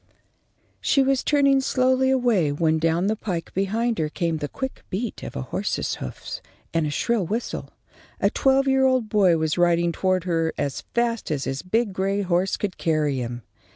She was turning slowly away when down the pike behind her came the quick beat of a horse's hoofs and a shrill whistle. A twelve year old boy was riding toward her as fast as his big gray horse could carry him.